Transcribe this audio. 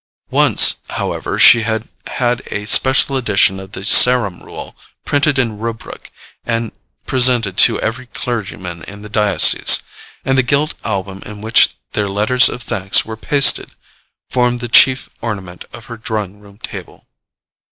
Once, however, she had had a special edition of the Sarum Rule printed in rubric and presented to every clergyman in the diocese; and the gilt album in which their letters of thanks were pasted formed the chief ornament of her drawing room table.